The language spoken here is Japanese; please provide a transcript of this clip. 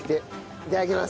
いただきます。